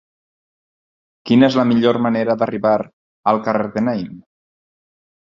Quina és la millor manera d'arribar al carrer de Naïm?